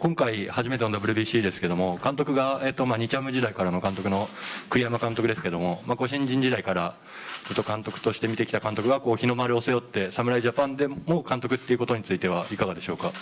今回、初めてのＷＢＣですが監督が日ハム時代からの監督の栗山監督ですけども、新人時代からずっと監督として見てきた監督が日の丸を背負って侍ジャパンでも監督ということについてはいかがでしょうか？